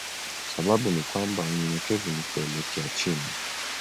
Sababu ni kwamba unyenyekevu ni kuelekea chini.